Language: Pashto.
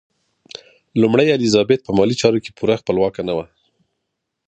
لومړۍ الیزابت په مالي چارو کې پوره خپلواکه نه وه.